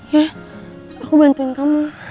ya aku bantuin kamu